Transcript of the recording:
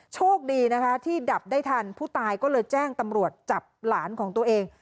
โชคดีนะคะที่ดับได้ทันผู้ตายก็เลยแจ้งตำรวจจับหลานของตัวเอง